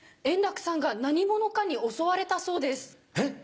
円楽さんが何者かに襲われたそうです。え！